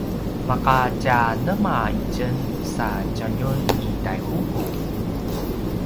ma’a tja nema itjen sa djaljun i Taihuku?